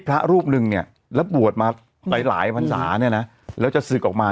พระรูปหนึ่งเนี่ยแล้วบวชมาหลายพันศาเนี่ยนะแล้วจะศึกออกมา